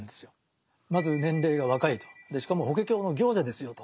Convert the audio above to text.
まず年齢が若いとしかも「法華経の行者」ですよと。